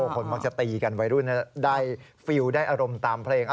คนบางทีจะใส่ตีกันไว้ได้ฟิลล์ได้อารมณ์ตามเพลง